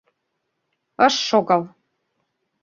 Ыш шогал.